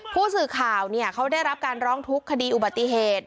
ผู้สื่อข่าวเขาได้รับการร้องทุกข์คดีอุบัติเหตุ